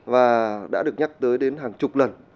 và đã được nhắc tới đến hàng chục lần